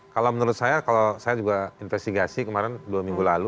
kalau menurut saya kalau saya juga investigasi kemarin dua minggu lalu